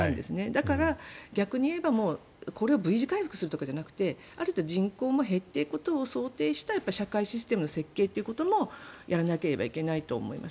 だから、逆にいえばこれをＶ字回復するじゃなくてある程度人口も減っていくことを想定した社会システムの設計ということもやらなければいけないと思います。